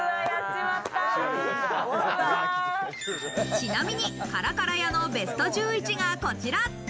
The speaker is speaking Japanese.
ちなみに、からから家のベスト１１がこちら。